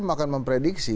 memang akan memprediksi